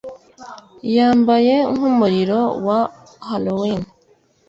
Yambaye nkumuriro wa Halloween.